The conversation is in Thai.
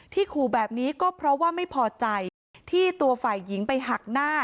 ขู่แบบนี้ก็เพราะว่าไม่พอใจที่ตัวฝ่ายหญิงไปหักหน้า